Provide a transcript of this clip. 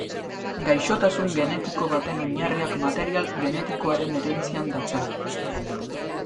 Gaixotasun genetiko baten oinarriak material genetikoaren herentzian datza.